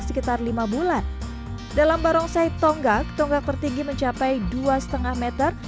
sekitar lima bulan dalam barongsai tonggak tonggak tertinggi mencapai dua lima meter